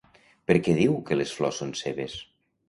Per què diu que les flors són seves?